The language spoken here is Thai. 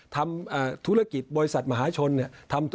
ทำธุรกิจบริษัทมหาชนเนี่ย